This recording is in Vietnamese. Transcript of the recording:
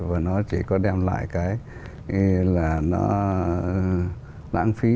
và nó chỉ có đem lại cái là nó lãng phí